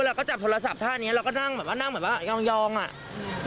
เราก็จับโทรศัพท์ท่านี้เราก็นั่งแบบว่านั่งเหมือนว่ายองอ่ะอืม